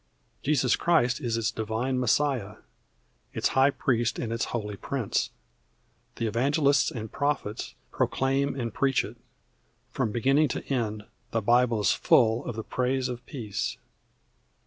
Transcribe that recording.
Jesus Christ is its Divine Messiah, its high priest and its holy prince. The evangelists and prophets proclaim and preach it. From beginning to end the Bible is full of the praise of peace.